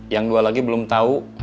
yang dua lagi belum tahu